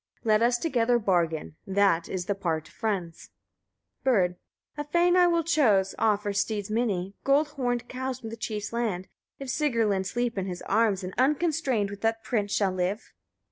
Let us together bargain; that is the part of friends. Bird. 4. A fane I will chose, offer steads many, gold horned cows from the chief's land, if Sigrlinn sleep in his arms, and unconstrained with that prince shall live.